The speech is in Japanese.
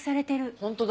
本当だ。